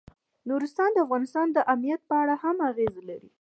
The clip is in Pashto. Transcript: نورستان د افغانستان د امنیت په اړه هم اغېز لري.